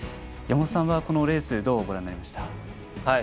山本さんはこのレースどうご覧になりましたか。